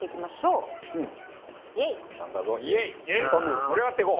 今回は盛り上がっていこう！